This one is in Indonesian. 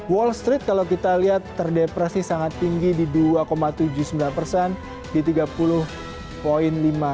wall street kalau kita lihat terdepresi sangat tinggi di dua tujuh puluh sembilan persen di tiga puluh lima